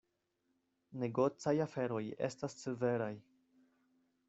Negocaj aferoj estas severaj.